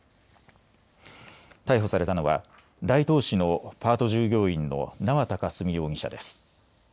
逮捕されたのは大東市のパート従業員の縄田佳純容疑者です。